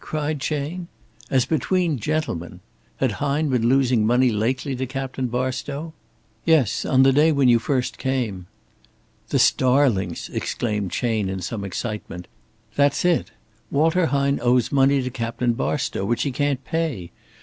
cried Chayne. "'As between gentlemen.' Had Hine been losing money lately to Captain Barstow?" "Yes, on the day when you first came." "The starlings," exclaimed Chayne in some excitement. "That's it Walter Hine owes money to Captain Barstow which he can't pay.